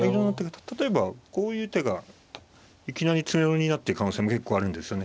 例えばこういう手がいきなり詰めろになってる可能性も結構あるんですね。